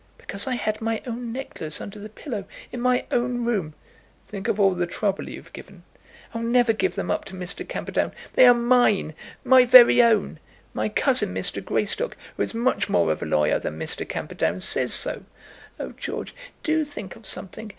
"Because I had my own necklace under the pillow in my own room?" "Think of all the trouble you've given." "I'll never give them up to Mr. Camperdown. They are mine; my very own. My cousin, Mr. Greystock, who is much more of a lawyer than Mr. Camperdown, says so. Oh, George, do think of something!